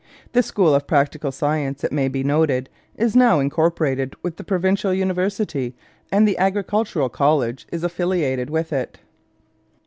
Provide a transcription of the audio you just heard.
The School of Practical Science, it may be noted, is now incorporated with the provincial university, and the Agricultural College is affiliated with it.